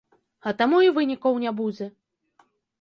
А таму і вынікаў не будзе.